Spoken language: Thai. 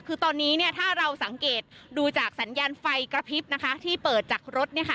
คือตอนนี้ถ้าเราสังเกตดูจากสัญญาณไฟกระพริบที่เปิดจากรถ